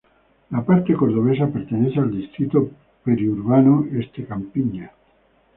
La parte cordobesa pertenece al Distrito Periurbano Este-Campiña.